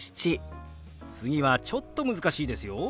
次はちょっと難しいですよ。